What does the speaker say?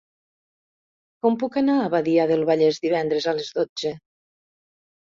Com puc anar a Badia del Vallès divendres a les dotze?